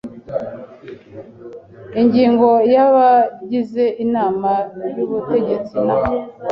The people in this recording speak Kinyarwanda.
Ingingo ya Abagize inama y ubutegetsi na